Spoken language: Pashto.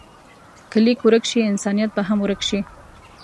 که لیک ورک شي، انسانیت به هم ورک شي.